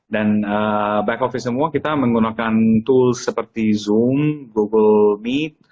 dan back office semua kita menggunakan tools seperti zoom google meet